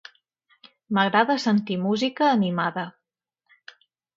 M'agrada sentir música animada.